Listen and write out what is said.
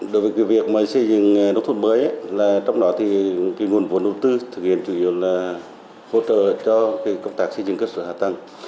đối với việc xây dựng nông thôn mới trong đó nguồn vốn đầu tư thực hiện chủ yếu là hỗ trợ cho công tác xây dựng cơ sở hạ tầng